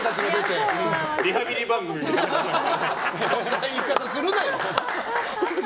そんな言い方するなよ！